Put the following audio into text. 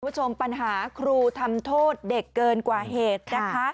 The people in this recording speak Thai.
คุณผู้ชมปัญหาครูทำโทษเด็กเกินกว่าเหตุนะคะ